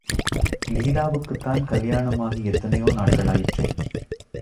லீலாவுக்குத்தான் கல்யாணமாகி எத்தனையோ நாட்களாயிற்றே.